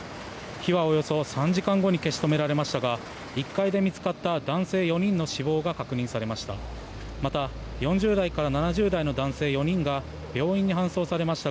火はおよそ３時間後に消し止められましたが１階で見つかった男性４人の死亡が確認されました。